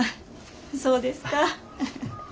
そうですか。